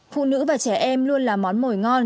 phụ nữ và trẻ em luôn là món mồi ngon